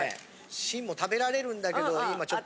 芯も食べられるんだけど今ちょっと。